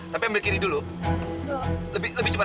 tapi ambil kiri dulu lebih cepat lebih cepat